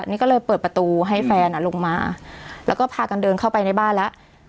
นี่ก็เลยเปิดประตูให้แฟนลงมาแล้วก็พากันเดินเข้าไปในบ้านแล้ว